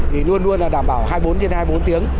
thì luôn luôn là đảm bảo hai mươi bốn trên hai mươi bốn tiếng